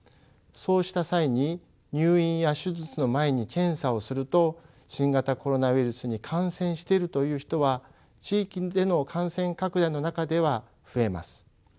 そうした際に入院や手術の前に検査をすると新型コロナウイルスに感染しているという人は地域での感染拡大の中では増えます。